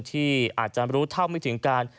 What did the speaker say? ที่อาจจะรู้เท่าไม่ถึงการ